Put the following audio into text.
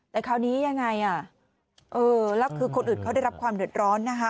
แต่คราวนี้ยังไงอ่ะเออแล้วคือคนอื่นเขาได้รับความเดือดร้อนนะคะ